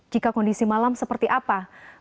jika kondisi malam seperti apa